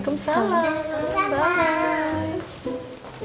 kamu jangan capek capek ya